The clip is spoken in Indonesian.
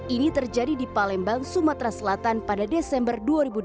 ini terjadi di palembang sumatera selatan pada desember dua ribu dua puluh